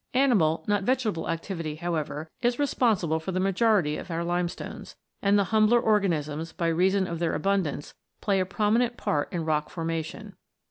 Animal, not vegetable, activity, however, is re sponsible for the majority of our limestones, and the humbler organisms, by reason of their abundance, play a prominent part in rock formation.